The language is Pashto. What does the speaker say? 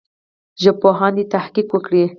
ژبپوهان دي تحقیق وکړي.